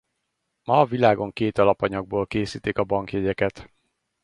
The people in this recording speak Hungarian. Ma a világon két alapanyagból készítik a bankjegyeket.